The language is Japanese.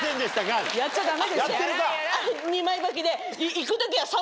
２枚ばきで。